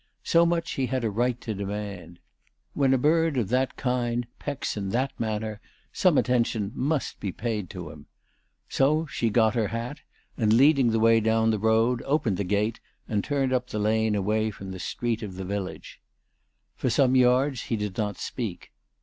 So much he had a right to demand. When a bird of that kind pecks in that manner some attention must be paid to him. So she got her hat, and leading the way down the road, opened the gate and turned up the lane away from the street of the village. For some yards he did not speak.